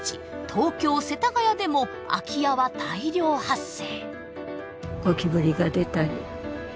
東京・世田谷でも空き家は大量発生。